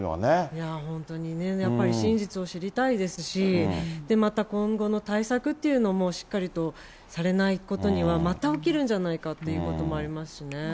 いや本当にね、やっぱり真実を知りたいですし、また今後の対策っていうのもしっかりとされないことには、また起きるんじゃないかっていうこともありますしね。